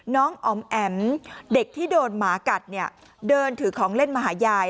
อ๋อมแอ๋มเด็กที่โดนหมากัดเนี่ยเดินถือของเล่นมาหายาย